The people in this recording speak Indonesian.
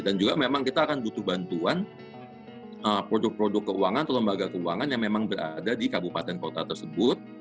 dan juga memang kita akan butuh bantuan produk produk keuangan atau lembaga keuangan yang memang berada di kabupaten kota tersebut